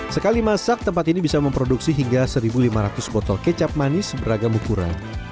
sekali masak tempat ini bisa memproduksi hingga satu lima ratus botol kecap manis beragam ukuran